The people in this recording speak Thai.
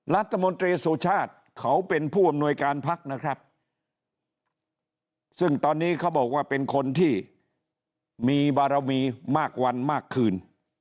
รัฐมนตรีสุชาติเขาเป็นผู้อำนวยการพักนะครับซึ่งตอนนี้เขาบอกว่าเป็นคนที่มีบารมีมากวันมากคืน